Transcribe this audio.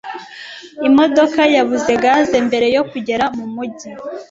Imodoka yabuze gaze mbere yo kugera mu mujyi.